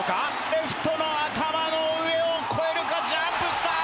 レフトの頭の上を越えるかジャンプしたー！